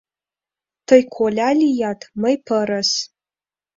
Тый коля лият, мый пырыс.